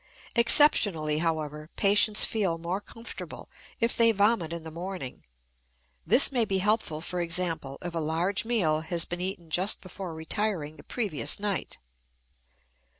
Exceptionally, however, patients feel more comfortable if they vomit in the morning; this may be helpful, for example, if a large meal has been eaten just before retiring the previous night.